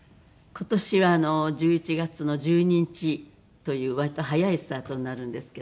今年は１１月の１２日という割と早いスタートになるんですけど。